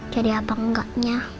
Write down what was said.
jadi apa enggaknya